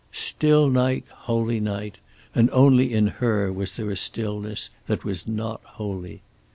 Still night, holy night, and only in her was there a stillness that was not holy.